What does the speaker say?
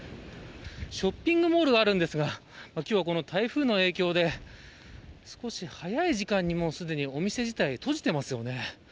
ショッピングモールがあるんですが今日はこの台風の影響で少し、早い時間にすでにお店自体が閉じてますよね。